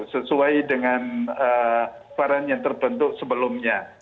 sesuai dengan varian yang terbentuk sebelumnya